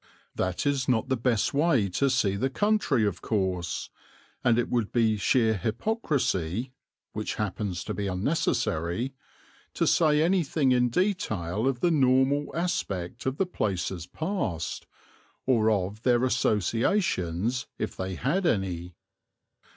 That is not the best way to see the country of course, and it would be sheer hypocrisy (which happens to be unnecessary) to say anything in detail of the normal aspect of the places passed, or of their associations if they had any.